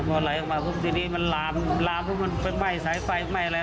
พอไหลออกมาพรุ่งทีนี้มันลามลามพรุ่งมันไปไหม้สายไฟไหม้แล้ว